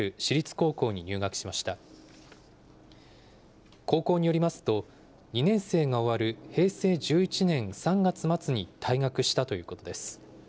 高校によりますと、２年生が終わる平成１１年３月末に退学したということです。